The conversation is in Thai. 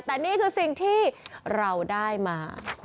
แต่นี่คือสิ่งที่เราได้มา